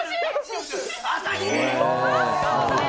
朝日！